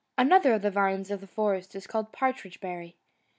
Another of the vines of the forest is called Partridge berry.